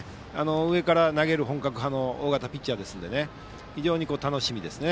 上から投げる本格派の大型ピッチャーですので非常に楽しみですね。